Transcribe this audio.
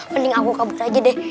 mending aku kabut aja deh